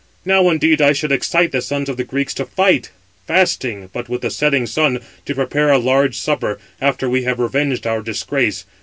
Now indeed I should excite the sons of the Greeks to fight, fasting, but with the setting sun, to prepare a large supper, after we have revenged our disgrace.